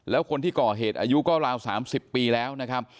แล้วคนที่ก่อเหตุอายุก็ราว๓๐ปีแล้วนะครับ